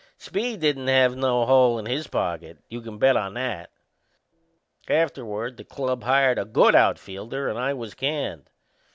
Speed didn't have no hole in his pocket you can bet on that! Afterward the club hired a good outfielder and I was canned.